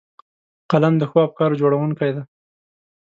قلم د ښو افکارو جوړوونکی دی